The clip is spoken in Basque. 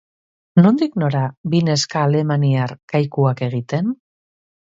Nondik nora, bi neska alemaniar kaikuak egiten?